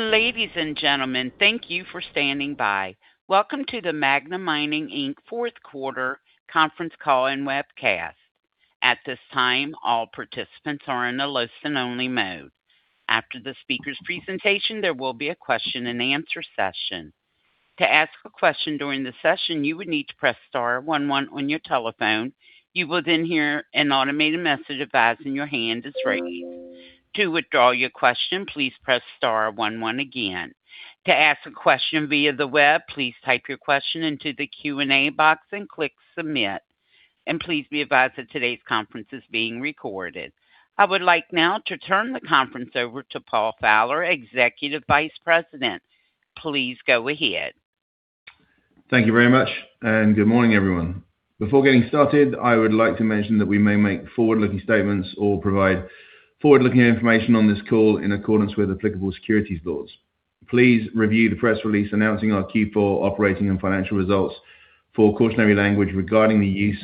Ladies and gentlemen, thank you for standing by. Welcome to the Magna Mining Inc. fourth quarter conference call and webcast. At this time, all participants are in a listen-only mode. After the speaker's presentation, there will be a question-and-answer session. To ask a question during the session, you would need to press star one one on your telephone. You will then hear an automated message advising your hand is raised. To withdraw your question, please press star one one again. To ask a question via the web, please type your question into the Q&A box and click submit, and please be advised that today's conference is being recorded. I would like now to turn the conference over to Paul Fowler, Executive Vice President. Please go ahead. Thank you very much, and good morning, everyone. Before getting started, I would like to mention that we may make forward-looking statements or provide forward-looking information on this call in accordance with applicable securities laws. Please review the press release announcing our Q4 operating and financial results for cautionary language regarding the use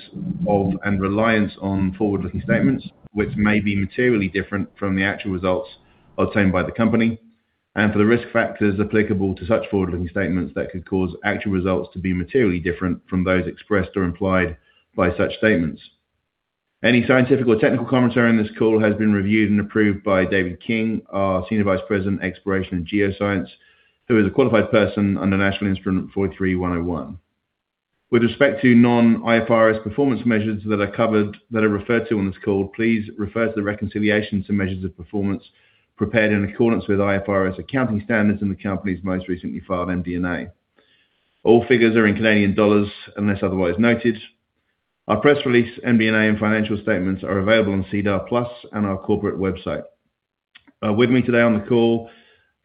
of and reliance on forward-looking statements, which may be materially different from the actual results obtained by the company, and for the risk factors applicable to such forward-looking statements that could cause actual results to be materially different from those expressed or implied by such statements. Any scientific or technical commentary on this call has been reviewed and approved by David King, our Senior Vice President, Exploration and Geoscience, who is a qualified person under National Instrument 43-101. With respect to non-IFRS performance measures that are referred to on this call, please refer to the reconciliations and measures of performance prepared in accordance with IFRS accounting standards in the company's most recently filed MD&A. All figures are in Canadian dollars unless otherwise noted. Our press release, MD&A, and financial statements are available on SEDAR+ and our corporate website. With me today on the call,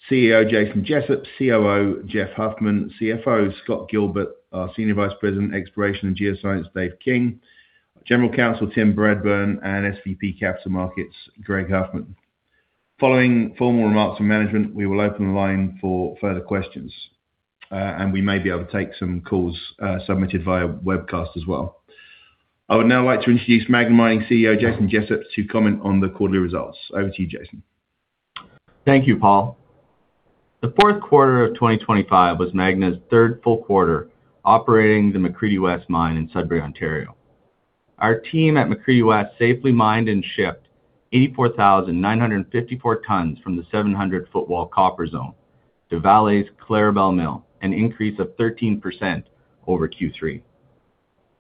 CEO Jason Jessup, COO Jeff Huffman, CFO Scott Gilbert, our Senior Vice President, Exploration and Geoscience, Dave King, General Counsel Tim Bradburn, and SVP, Capital Markets, Greg Huffman. Following formal remarks from management, we will open the line for further questions, and we may be able to take some calls submitted via webcast as well. I would now like to introduce Magna Mining CEO, Jason Jessup, to comment on the quarterly results. Over to you, Jason. Thank you, Paul. The fourth quarter of 2025 was Magna's third full quarter operating the McCreedy West mine in Sudbury, Ontario. Our team at McCreedy West safely mined and shipped 84,954 tons from the 700 Footwall Copper Zone to Vale's Clarabelle mill, an increase of 13% over Q3.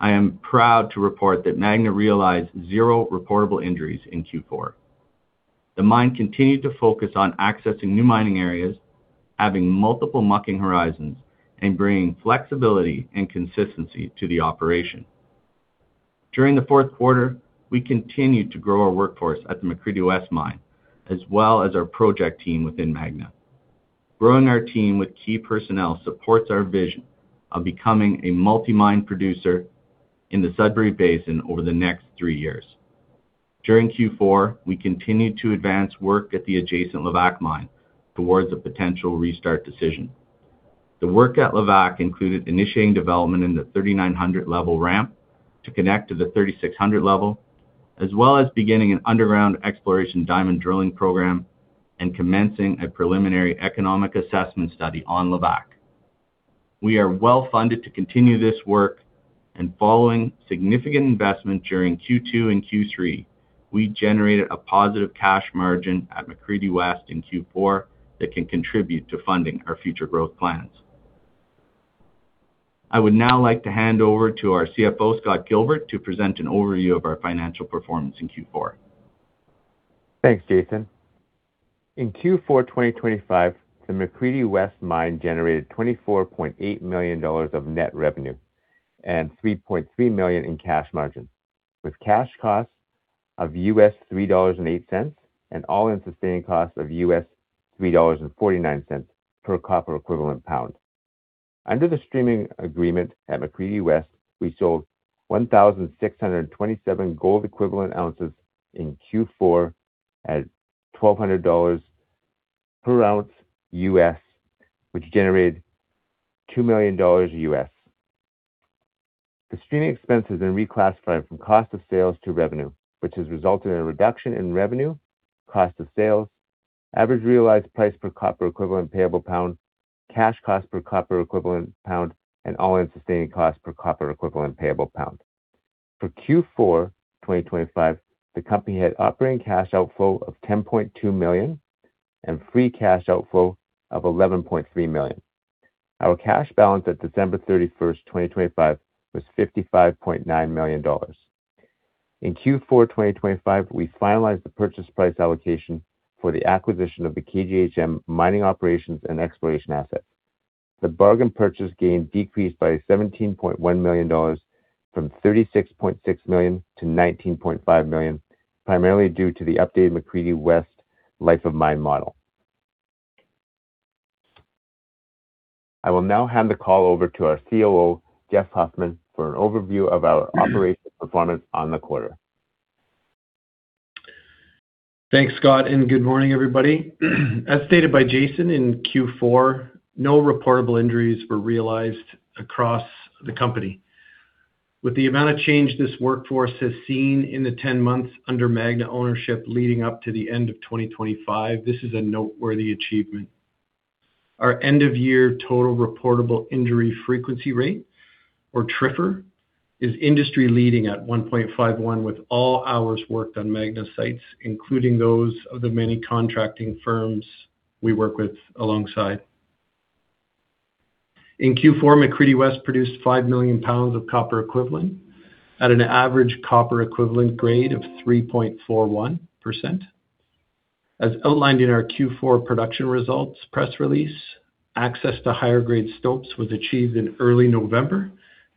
I am proud to report that Magna realized zero reportable injuries in Q4. The mine continued to focus on accessing new mining areas, having multiple mucking horizons, and bringing flexibility and consistency to the operation. During the fourth quarter, we continued to grow our workforce at the McCreedy West mine as well as our project team within Magna. Growing our team with key personnel supports our vision of becoming a multi-mine producer in the Sudbury Basin over the next three years. During Q4, we continued to advance work at the adjacent Levack mine towards a potential restart decision. The work at Levack included initiating development in the 3900 level ramp to connect to the 3600 level, as well as beginning an underground exploration diamond drilling program and commencing a preliminary economic assessment study on Levack. We are well funded to continue this work, and following significant investment during Q2 and Q3, we generated a positive cash margin at McCreedy West in Q4 that can contribute to funding our future growth plans. I would now like to hand over to our CFO, Scott Gilbert, to present an overview of our financial performance in Q4. Thanks, Jason. In Q4 2025, the McCreedy West Mine generated 24.8 million dollars of net revenue and 3.3 million in cash margin, with cash costs of $3.08 and all-in sustaining costs of $3.49 per copper equivalent pound. Under the streaming agreement at McCreedy West, we sold 1,627 gold equivalent ounces in Q4 at $1,200 per ounce US, which generated $2 million. The streaming expenses are reclassified from cost of sales to revenue, which has resulted in a reduction in revenue, cost of sales, average realized price per copper equivalent payable pound, cash cost per copper equivalent pound, and all-in sustaining cost per copper equivalent payable pound. For Q4 2025, the company had operating cash outflow of 10.2 million and free cash outflow of 11.3 million. Our cash balance at December 31st, 2025, was 55.9 million dollars. In Q4 2025, we finalized the purchase price allocation for the acquisition of the KGHM mining operations and exploration asset. The bargain purchase gain decreased by 17.1 million dollars from 36.6 million to 19.5 million, primarily due to the updated McCreedy West Life of Mine model. I will now hand the call over to our COO, Jeff Huffman, for an overview of our operational performance for the quarter. Thanks, Scott, and good morning, everybody. As stated by Jason in Q4, no reportable injuries were realized across the company. With the amount of change this workforce has seen in the 10 months under Magna ownership leading up to the end of 2025, this is a noteworthy achievement. Our end-of-year total reportable injury frequency rate, or TRIFR, is industry-leading at 1.51 with all hours worked on Magna sites, including those of the many contracting firms we work with alongside. In Q4, McCreedy West produced 5 million pounds of copper equivalent at an average copper equivalent grade of 3.41%. As outlined in our Q4 production results press release, access to higher grade stopes was achieved in early November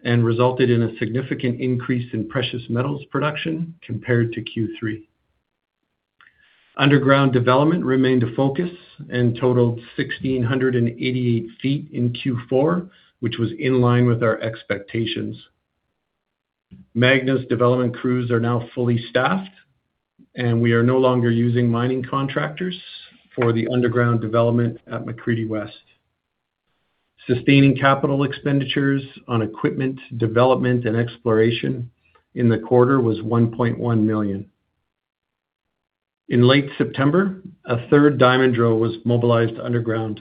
and resulted in a significant increase in precious metals production compared to Q3. Underground development remained a focus and totaled 1,688 ft in Q4, which was in line with our expectations. Magna's development crews are now fully staffed, and we are no longer using mining contractors for the underground development at McCreedy West. Sustaining capital expenditures on equipment, development, and exploration in the quarter was 1.1 million. In late September, a third diamond drill was mobilized underground.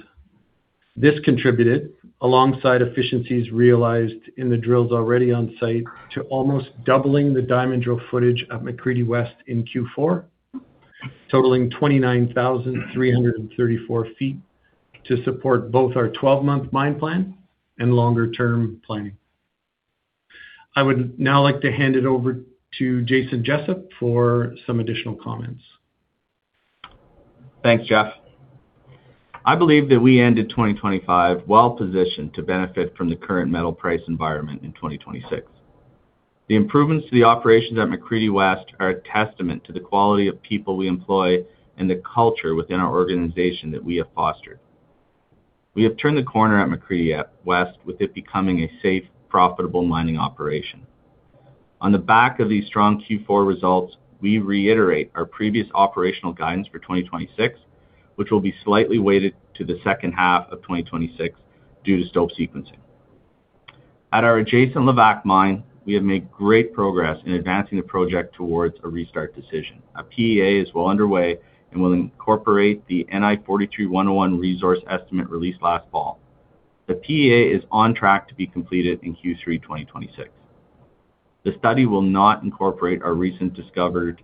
This contributed, alongside efficiencies realized in the drills already on site, to almost doubling the diamond drill footage at McCreedy West in Q4, totaling 29,334 ft to support both our 12-month mine plan and longer-term planning. I would now like to hand it over to Jason Jessup for some additional comments. Thanks, Jeff. I believe that we ended 2025 well-positioned to benefit from the current metal price environment in 2026. The improvements to the operations at McCreedy West are a testament to the quality of people we employ and the culture within our organization that we have fostered. We have turned the corner at McCreedy West with it becoming a safe, profitable mining operation. On the back of these strong Q4 results, we reiterate our previous operational guidance for 2026, which will be slightly weighted to the second half of 2026 due to stope sequencing. At our adjacent Levack mine, we have made great progress in advancing the project towards a restart decision. A PEA is well underway and will incorporate the NI 43-101 resource estimate released last fall. The PEA is on track to be completed in Q3 2026. The study will not incorporate our recently discovered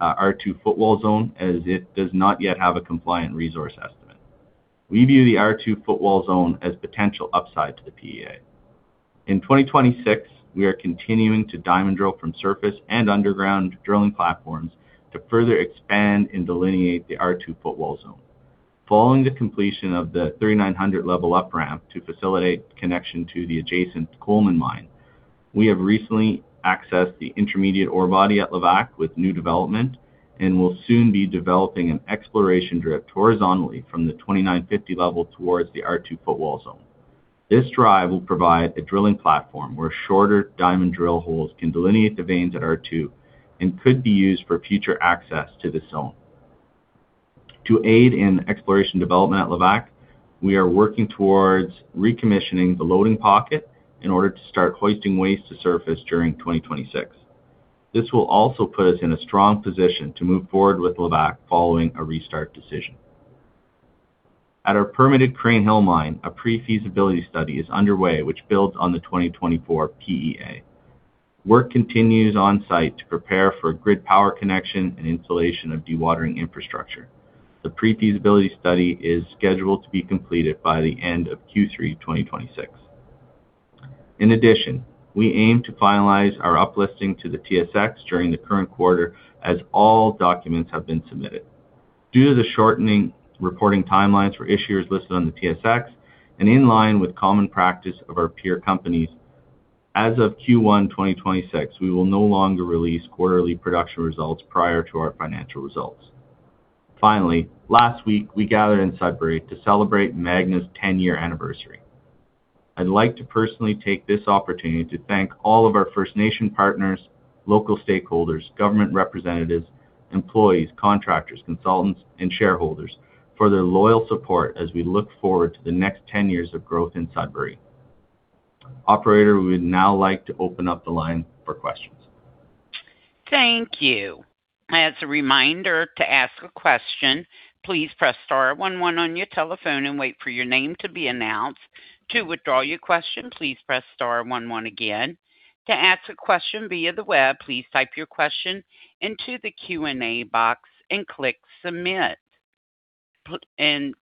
R2 Footwall Zone as it does not yet have a compliant resource estimate. We view the R2 Footwall Zone as potential upside to the PEA. In 2026, we are continuing to diamond drill from surface and underground drilling platforms to further expand and delineate the R2 Footwall Zone. Following the completion of the 3,900 level upramp to facilitate connection to the adjacent Coleman mine, we have recently accessed the intermediate ore body at Levack with new development and will soon be developing an exploration drift horizontally from the 2,950 level towards the R2 Footwall Zone. This drive will provide a drilling platform where shorter diamond drill holes can delineate the veins at R2 and could be used for future access to this zone. To aid in exploration development at Levack, we are working towards recommissioning the loading pocket in order to start hoisting waste to surface during 2026. This will also put us in a strong position to move forward with Levack following a restart decision. At our permitted Crean Hill Mine, a Pre-Feasibility Study is underway, which builds on the 2024 PEA. Work continues on-site to prepare for a grid power connection and installation of dewatering infrastructure. The Pre-Feasibility Study is scheduled to be completed by the end of Q3 2026. In addition, we aim to finalize our up-listing to the TSX during the current quarter, as all documents have been submitted. Due to the shortening reporting timelines for issuers listed on the TSX and in line with common practice of our peer companies, as of Q1 2026, we will no longer release quarterly production results prior to our financial results. Finally, last week, we gathered in Sudbury to celebrate Magna's 10-year anniversary. I'd like to personally take this opportunity to thank all of our First Nation partners, local stakeholders, government representatives, employees, contractors, consultants, and shareholders for their loyal support as we look forward to the next 10 years of growth in Sudbury. Operator, we would now like to open up the line for questions. Thank you. As a reminder, to ask a question, please press star one one on your telephone and wait for your name to be announced. To withdraw your question, please press star one one again. To ask a question via the web, please type your question into the Q&A box and click submit.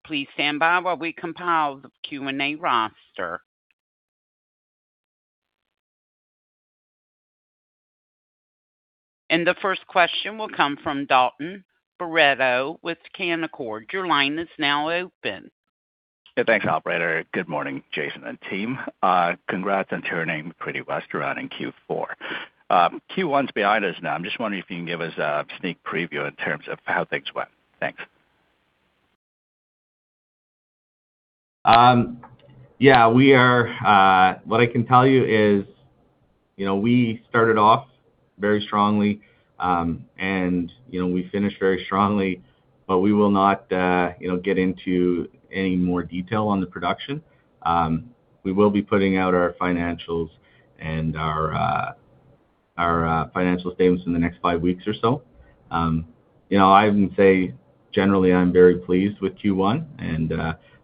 Please stand by while we compile the Q&A roster. The first question will come from Dalton Baretto with Canaccord. Your line is now open. Yeah. Thanks, operator. Good morning, Jason and team. Congrats on turning McCreedy West around in Q4. Q1's behind us now. I'm just wondering if you can give us a sneak preview in terms of how things went. Thanks. Yeah. What I can tell you is we started off very strongly. We finished very strongly, but we will not get into any more detail on the production. We will be putting out our financials and our financial statements in the next five weeks or so. I would say generally I'm very pleased with Q1, and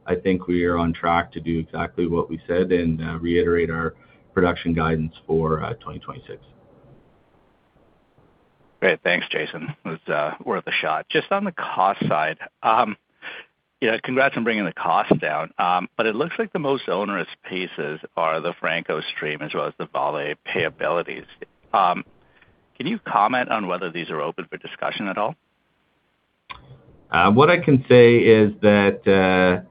I think we are on track to do exactly what we said and reiterate our production guidance for 2026. Great. Thanks, Jason. It was worth a shot. Just on the cost side. Congrats on bringing the cost down. It looks like the most onerous pieces are the Franco-Nevada stream as well as the Vale payabilities. Can you comment on whether these are open for discussion at all? What I can say is that the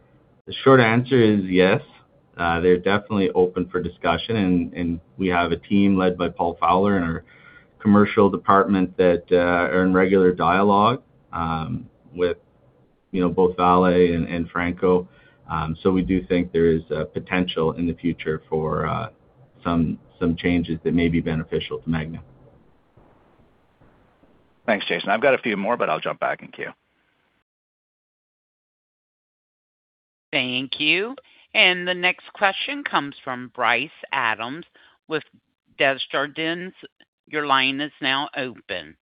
short answer is yes, they're definitely open for discussion and we have a team led by Paul Fowler in our Commercial department that are in regular dialogue, with both Vale and Franco-Nevada. We do think there is potential in the future for some changes that may be beneficial to Magna. Thanks, Jason. I've got a few more, but I'll jump back in queue. Thank you. The next question comes from Bryce Adams with Desjardins. Your line is now open.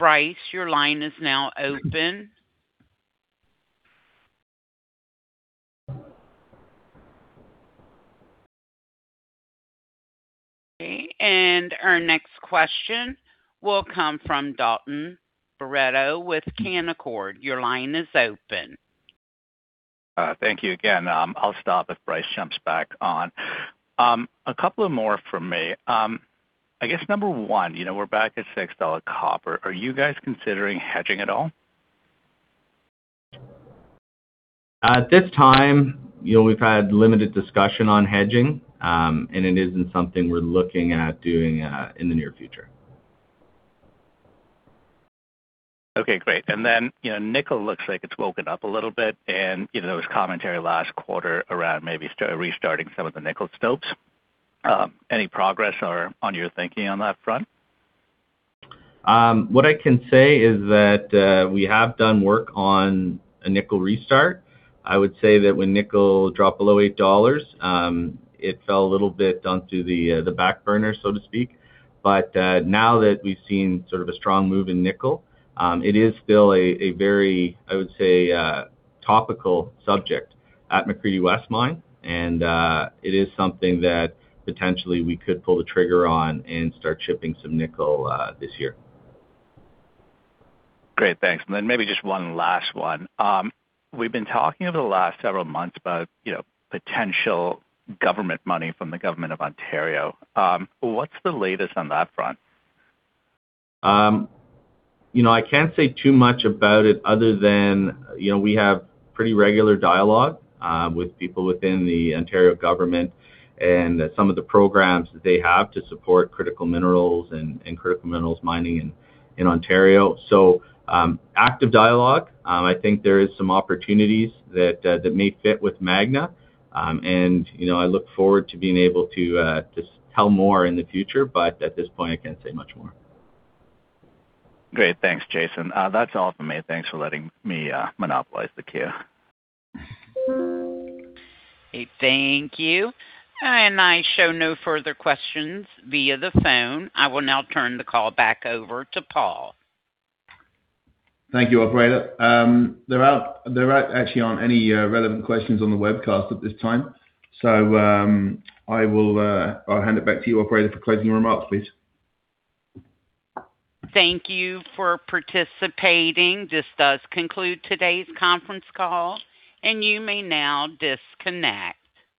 Bryce, your line is now open. Okay, our next question will come from Dalton Baretto with Canaccord. Your line is open. Thank you again. I'll stop if Bryce jumps back on. A couple of more from me. I guess number one, we're back at $6 copper. Are you guys considering hedging at all? At this time, we've had limited discussion on hedging, and it isn't something we're looking at doing in the near future. Okay, great. Nickel looks like it's woken up a little bit, and there was commentary last quarter around maybe restarting some of the nickel stopes. Any progress or on your thinking on that front? What I can say is that, we have done work on a nickel restart. I would say that when nickel dropped below $8, it fell a little bit onto the back burner, so to speak. Now that we've seen sort of a strong move in nickel, it is still a very, I would say, topical subject at McCreedy West Mine, and it is something that potentially we could pull the trigger on and start shipping some nickel this year. Great. Thanks. Maybe just one last one. We've been talking over the last several months about potential government money from the government of Ontario. What's the latest on that front? I can't say too much about it other than we have pretty regular dialogue, with people within the Ontario government and some of the programs that they have to support critical minerals and critical minerals mining in Ontario. So, active dialogue. I think there is some opportunities that may fit with Magna. I look forward to being able to just tell more in the future, but at this point, I can't say much more. Great. Thanks, Jason. That's all from me. Thanks for letting me monopolize the queue. Okay, thank you. I show no further questions via the phone. I will now turn the call back over to Paul. Thank you, operator. There actually aren't any relevant questions on the webcast at this time, so I'll hand it back to you, operator, for closing remarks, please. Thank you for participating. This does conclude today's conference call, and you may now disconnect.